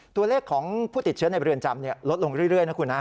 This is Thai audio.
ตัวเลขของผู้ติดเชื้อในเรือนจำลดลงเรื่อยนะคุณฮะ